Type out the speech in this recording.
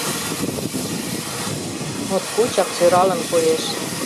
Моткочак сӧралын коеш.